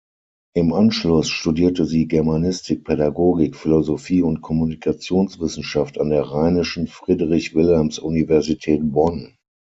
Im Anschluss studierte sie Germanistik, Pädagogik, Philosophie und Kommunikationswissenschaft an der Rheinischen Friedrich-Wilhelms-Universität Bonn.